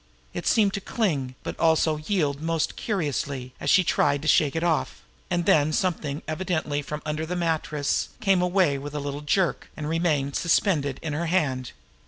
It seemed to cling, but also to yield most curiously, as she tried to shake it off; and then something, evidently from under the mattress, came away with a little jerk, and remained, suspended, in her hand.